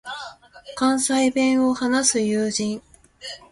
関西弁を話す友人